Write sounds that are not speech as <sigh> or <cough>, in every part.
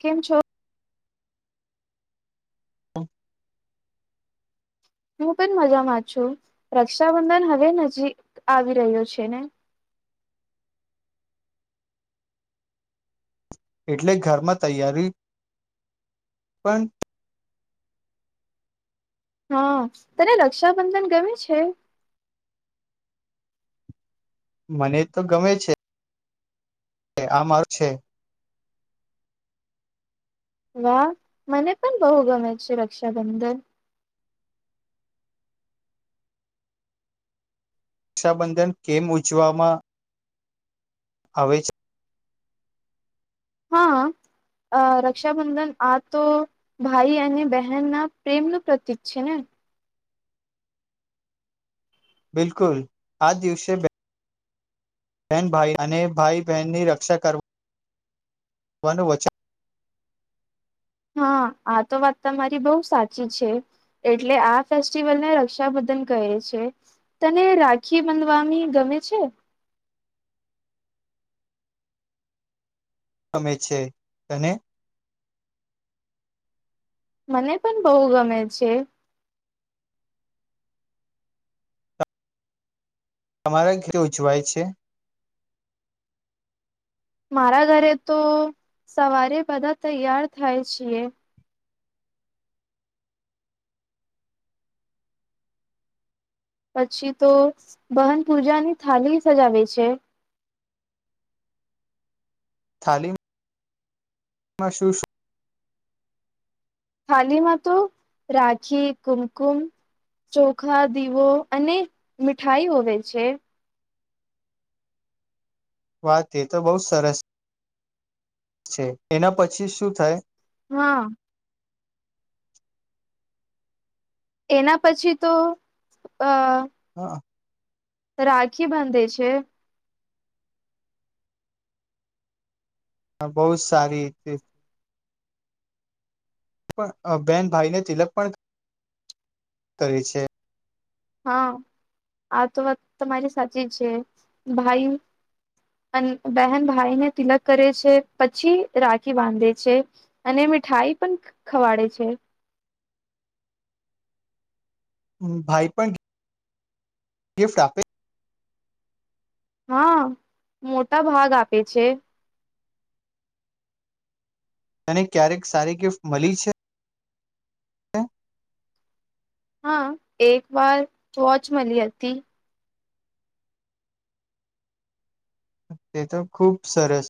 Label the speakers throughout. Speaker 1: કેમ છો
Speaker 2: હ
Speaker 1: હું પણ મજામાં છું રક્ષાબંધન હવે નજીક આવી રહ્યો છે ને
Speaker 2: એટલે ઘરમાં તૈયારી પણ
Speaker 1: હા તને રક્ષાબંધન ગમે છે
Speaker 2: મને તો ગમે છે. આ મારું છે.
Speaker 1: વાહ, મને પણ બહુ ગમે છે રક્ષાબંધન.
Speaker 2: રક્ષાબંધન કેમ ઉજવામાં? આવે છે.
Speaker 1: હા, રક્ષાબંધન આ તો ભાઈ અને બહેન ના પ્રેમ ન પ્રતીક છે ને.
Speaker 2: બિલકુલ, આજ દિવસે બહેન ભાઈ અને ભાઈ બહેનની રક્ષા કરવાનું વચન.
Speaker 1: હા આ તો વાત તમારી બહુ સાચી છે, એટલે આ ફેસ્ટિવલને રક્ષાબંધન કહે છે. તને રાખી બંધવાની ગમે છે?
Speaker 2: ગમે છે અને
Speaker 1: મને પણ બહુ ગમે છે.
Speaker 2: તમારા ઘેર ઉજવાય છે?
Speaker 1: મારા ઘરે તો સવારે બધા તૈયાર થાય છીએ. પછી તો બહન પૂજાની થાળી સજાવે છે.
Speaker 2: થાલી માં એમાં શું શું
Speaker 1: થાલીમાં તો રાખી, કુમકુમ, ચોખા, દીવો અને મીઠાઈ હોવે છે.
Speaker 2: વાત એ તો બહુ સરસ છે. એના પછી શું થાય?
Speaker 1: હા. એના પછી તો અ
Speaker 2: <unintelligible>
Speaker 1: રાખી બાંધે છે.
Speaker 2: હા, બહુત સારી. પણ બેન ભાઈને તિલક પણ કરે છે.
Speaker 1: હા, આ તો વાત તમારી સાચી છે. ભાઈ બહેન ભાઈને તિલક કરે છે, પછી રાખી બાંધે છે અને મીઠાઈ પણ ખવાડે છે.
Speaker 2: ભાઈ પણ ગિફ્ટ આપે.
Speaker 1: હા, મોટા ભાગ આપે છે.
Speaker 2: તેને ક્યારેક સારી ગિફ્ટ મળી છે. હા.
Speaker 1: હા, એક વાર ટોચ મળી હતી.
Speaker 2: તે તો ખૂબ સરસ.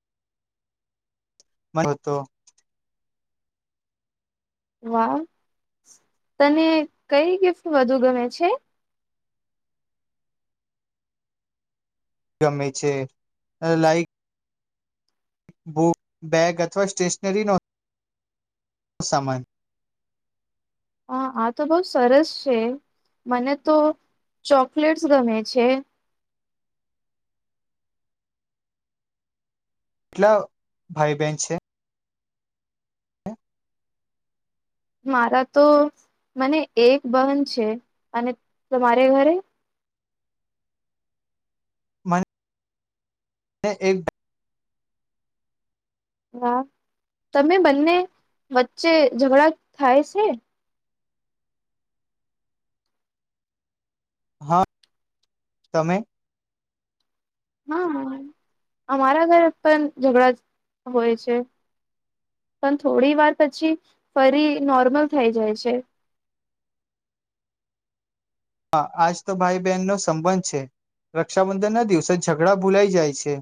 Speaker 2: તો
Speaker 1: વાહ, તને કઈ ગિફ્ટ વધુ ગમે છે?
Speaker 2: ગમે છે અને લાઈક. બુક બેગ અથવા સ્ટેશનરીનો સામાન.
Speaker 1: હા, આ તો બહુ સરસ છે. મને તો ચોકલેટ્સ ગમે છે.
Speaker 2: કેટલા ભાઈ બહેન છે?
Speaker 1: મારા તો મને એક બહન છે, અને તમારે ઘરે
Speaker 2: મને મે એક.
Speaker 1: હા, તમે બંને વચ્ચે ઝઘડા થાય છે.
Speaker 2: હા, તમે
Speaker 1: હા, હા, અમારા ઘર પણ ઝઘડા હોય છે, પણ થોડી વાર પછી ફરી નોર્મલ થઈ જાય છે.
Speaker 2: હા, આજ તો ભાઈ બહેનનો સંબંધ છે. રક્ષાબંધન ના દિવસે ઝઘડા ભૂલાઈ જાય છે.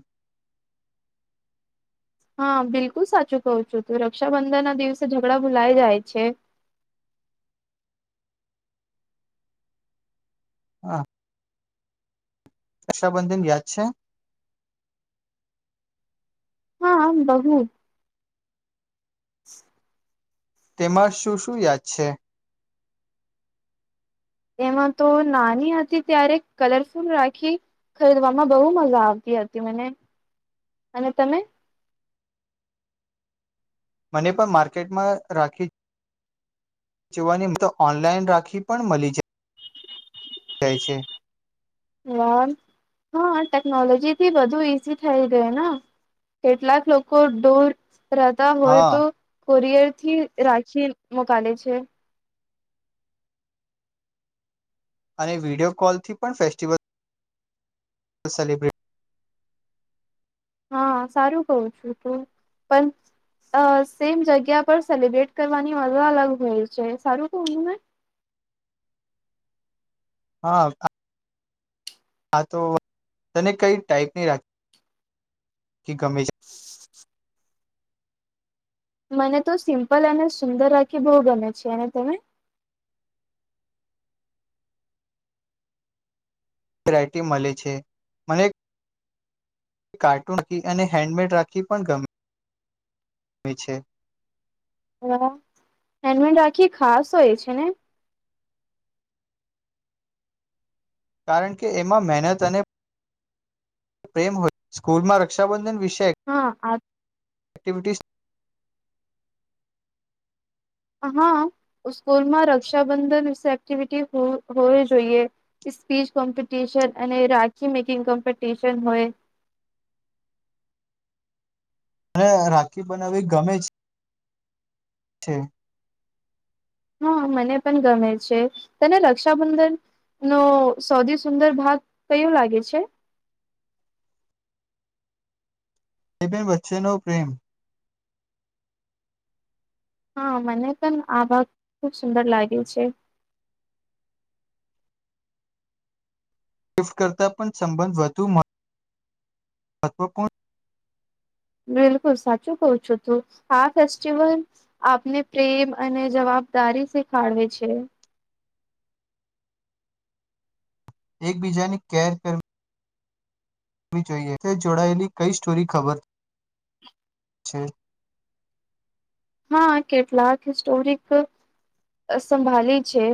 Speaker 1: હા, બિલકુલ સાચું કહું છું, તું રક્ષાબંધન ના દિવસે ઝઘડા ભૂલાય જાય છે.
Speaker 2: હા. રક્ષાબંધન યાદ છે?
Speaker 1: હા, બહુ. <unintelligible>
Speaker 2: તેમાં શું શું યાદ છે
Speaker 1: એમાં તો નાની હતી ત્યારે કલરફુલ રાખી ખરીદવામાં બહુ મજા આવતી હતી મને અને તમે
Speaker 2: મને પણ માર્કેટમાં રાખી જોવાની તો ઓનલાઈન રાખી પણ મળી જાય છે
Speaker 1: વા હા ટેકનોલોજી થી બધુ ઈઝી થઈ ગાય ને કેટલાક લોકો ડોર રહેતા હોય
Speaker 2: હા
Speaker 1: તો કોરિયર થી રાખી મોકાલે છે
Speaker 2: અને વિડિયો કોલથી પણ ફેસ્ટિવલ સેલિબ્રેિટી
Speaker 1: હા સારું કવું છું તું પણ સેમ જગ્યા પર સેલિબ્રેટ કરવાની મજા અલગ હોય છે સારું કવુંું મે
Speaker 2: હા હા તો તને કઈ ટાાઈપની રાખી કે ગમે છે
Speaker 1: મને તો સિમ્પલ અને સુંદર રાખી બહુ ગમે છે અને તમે
Speaker 2: વેરાયટી મળે છે મને કાર્ટૂન રાખી અને હેન્ડમેડ રાખી પણ ગમે ગમે છે
Speaker 1: હા એન્ડમેન રાખી ખાસ હોય છે ને
Speaker 2: કારણ કે એમાં મહેનત અને પ્રેમ હોય સ્કૂલમાં રક્ષાબંધન વિશે શે
Speaker 1: હા
Speaker 2: એક્ટિવિટીઝ
Speaker 1: હા સ્કૂલમાં રક્ષાબંધન વિશે એક્ટિવિટી હોવી જોઈએ સ્પીચ કોમ્પિટિશન અને રાખી મેકિંગ કોમ્પિટિશન હોય
Speaker 2: અને રાખી બનાવી ગમે છે છે
Speaker 1: હા મને પણ ગમે છે તને રક્ષાબંધન નો સૌથી સુંદર ભાગ કયોું લાગે છે
Speaker 2: એબેન વચ્ચેનો પ્રેમ
Speaker 1: હા મને પણ આ ભાગ ખુબ સુંદર લાગ્યું છે
Speaker 2: ગિફ્ટ કરતાં પણ સંબંધ વધુ મહત્વપૂર્ણ
Speaker 1: બિલકુલ સાચું કઉ છું તું આ ફેસ્ટિવલ આપને પ્રેમ અને જવાબદારી શીખાડવે છે
Speaker 2: એકબીજાને કેર કર હોવી જોઈએ તે જોડાયેલી કઈ સ્ટોરી ખબર છે
Speaker 1: હા કેટલાક હિસ્ટોરિક સંભાળી છે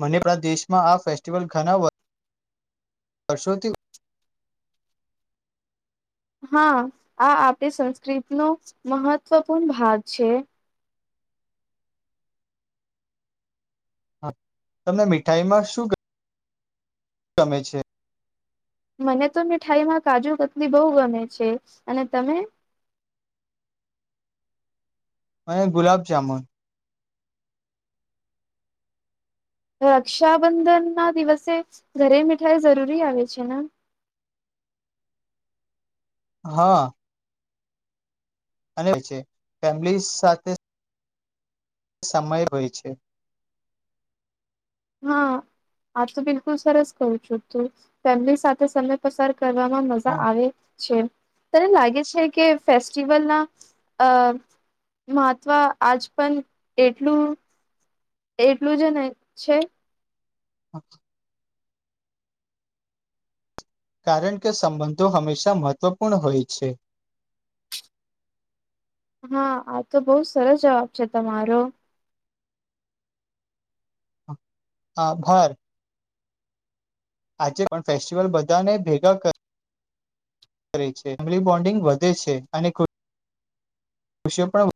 Speaker 2: મને આપણા દેશમાં આ ફેસ્ટિવલ ઘણા વર્ષોથી
Speaker 1: હા આ આપણી સંસ્કૃતિનોો મહત્વપૂર્ણ ભાગ છે
Speaker 2: હા તમને મીઠાઈ માં શું કર ગમે છે
Speaker 1: મને તો મીઠાઈમાં કાજુ કતલી બહુ ગમે છે અને તમે
Speaker 2: અને ગુલાબ જામુન
Speaker 1: રક્ષાબંધન ના દિવસે ઘરે મીઠાઈ જરૂરી આવે છે ને
Speaker 2: હા અને છે ફેમિલી સાથે સમય હોય છે
Speaker 1: હા આ તો બિલકુલ સરસ કવ છું તું ફેમિલી સાથે સમય પસાર કરવામાં મજા
Speaker 2: હા,
Speaker 1: આવે છે તને લાગે છે કે ફેસ્ટિવલના અ મહત્વ આજ પણ એટલું એટલું જ ને છે
Speaker 2: અચછ કારણ કે સંબંધો હંમેશા મહત્વપૂર્ણ હોય છે
Speaker 1: હા આ તો બહુ સરસ જવાબ છે તમારો
Speaker 2: હ ભર આજે પણ ફેસ્ટિવલ બધાને ભેગાે ફેમલી બોન્ડિંગ વધે છે અનેુ વિશ્ય પણ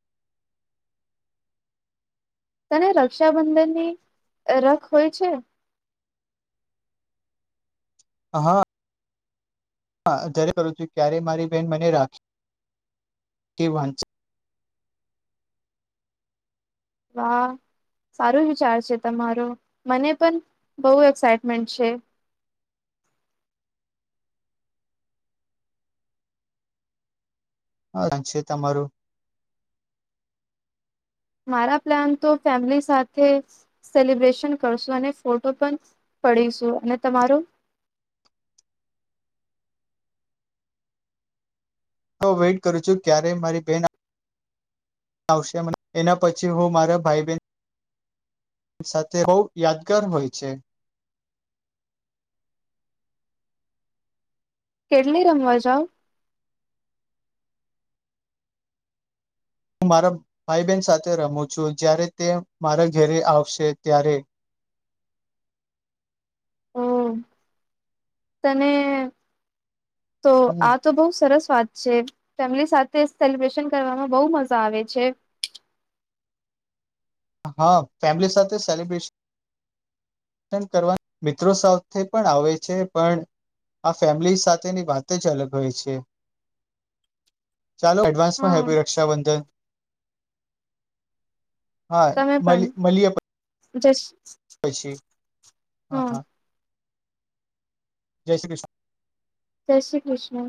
Speaker 1: તને રક્ષાબંધનની રખ હોય છે
Speaker 2: હા હ જરે કરું છું ક્યારે મારી બેહેન મને રાખી કે વાંધ છે
Speaker 1: વાહ સારું વિચાર છે તમારો મને પણ બહુ એક્સાઈટમેન્ટ છે
Speaker 2: છે તમારું
Speaker 1: મારા પ્લાન તો ફેમિલી સાથે સેલિબ્રેશન કરશું અને ફોટો પણ પડીશું અને તમાર
Speaker 2: હ હ વેઇટ કરું છું ક્યારેય મારી બહેન આવશે એના પછી હું મારા ભાઈ બહેન સાથે બહ યાદગાર હોય છે
Speaker 1: કેટલી રમવા જાઓ
Speaker 2: હું મારા ભાઈ બહેન સાથે રમું છું જ્યારે તે મારા ઘરે આવશે ત્યારે
Speaker 1: હમ તને તો આ
Speaker 2: હમ
Speaker 1: તો બઉુ સરસ સ્વા છે ફેમિલી સાથે સેલિબ્રેશન કરવામાં બહ મજા આવે છે
Speaker 2: હા ફેમિલી સાથે સેલિબ્રેશન કરવા મિત્રો સાથે પણ આવે છે પણ આ ફેમિલી સાથેની વાત જ અલગ હોય છે ચાલો એડવાન્સ માં
Speaker 1: હા
Speaker 2: હેપી રક્ષાબંધન હા મ મળલીએ
Speaker 1: જસ
Speaker 2: પછી હા હા જય શ્રી કૃષ્ણ
Speaker 1: સ શ્રી કૃષ્ણ